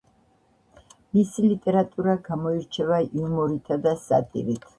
მისი ლიტერატურა გამოირჩევა იუმორითა და სატირით.